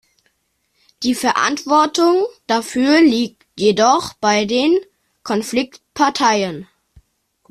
Die Verantwortung dafür liegt jedoch bei den Konfliktparteien.